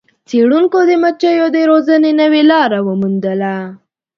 څیړونکو د مچیو د روزنې نوې لاره وموندله.